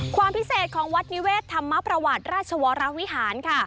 ความพิเศษของวัดนิเวศธรรมประวัติราชวรวิหารค่ะ